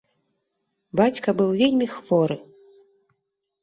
Бацька быў вельмі хворы.